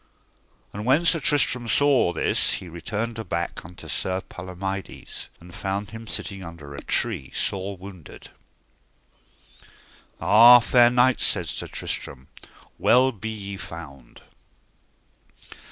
And when Sir Tristram saw this he returned aback unto Sir Palomides, and found him sitting under a tree sore wounded. Ah, fair knight, said Sir Tristram, well be ye found.